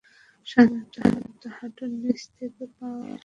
সাধারণত হাঁটুর নিচ থেকে পা এর শুরু।